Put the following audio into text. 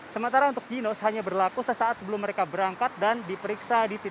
sementara untuk jinos hanya berlaku sesaat sebelum mereka berangkat dan diperiksa di titik